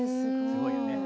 すごいよね。